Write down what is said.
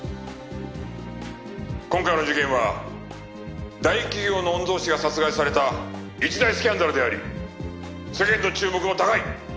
今回の事件は大企業の御曹司が殺害された一大スキャンダルであり世間の注目も高い。